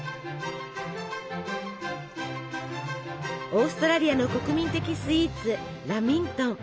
オーストラリアの国民的スイーツラミントン。